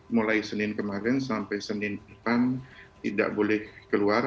mulai senin kemarin sampai senin depan tidak boleh keluar